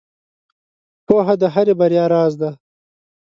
• پوهه د هرې بریا راز دی.